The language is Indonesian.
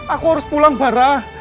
aku harus pulang barah